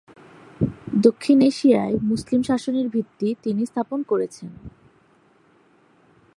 দক্ষিণ এশিয়ায় মুসলিম শাসনের ভিত্তি তিনি স্থাপন করেছেন।